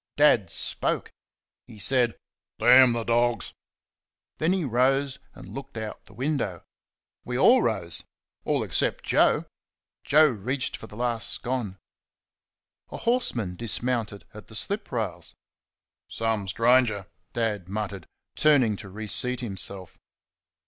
Dad spoke. He said, "Damn the dogs!" Then he rose and looked out the window. We all rose all except Joe. Joe reached for the last scone. A horseman dismounted at the slip rails. "Some stranger," Dad muttered, turning to re seat himself.